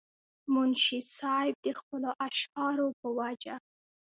منشي صېب د خپلو اشعارو پۀ وجه